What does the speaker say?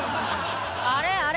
あれあれ。